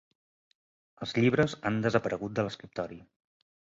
Els llibres han desaparegut de l'escriptori.